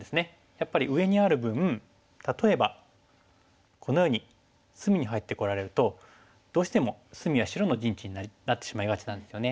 やっぱり上にある分例えばこのように隅に入ってこられるとどうしても隅は白の陣地になってしまいがちなんですよね。